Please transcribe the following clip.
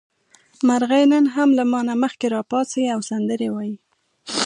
مرغۍ نن هم له ما نه مخکې راپاڅي او سندرې وايي.